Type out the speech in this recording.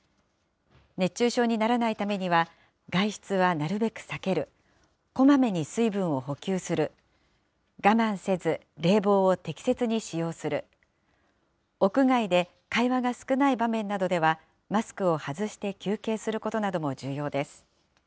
熱中症にならないためには、外出はなるべく避ける、こまめに水分を補給する、我慢せず冷房を適切に使用する、屋外で会話が少ない場面などでは、マスクを外して休憩することなども重要です。